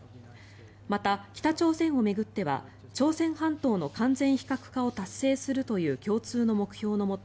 また、北朝鮮を巡っては朝鮮半島の完全非核化を達成するという共通の目標のもと